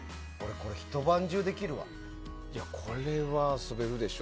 これは遊べるでしょ。